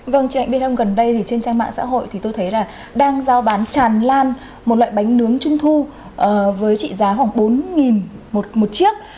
vâng chị anh biết không gần đây trên trang mạng xã hội tôi thấy đang giao bán tràn lan một loại bánh nướng trung thu với trị giá khoảng bốn một chiếc